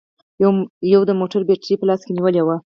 يوه يې د موټر بېټرۍ په لاس کې نيولې وه